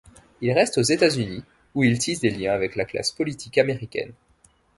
Il reste aux États-Unis, où il tisse des liens avec la classe politique américaine.